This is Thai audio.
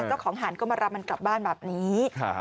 เจ้าของห่านก็มารับมันกลับบ้านแบบนี้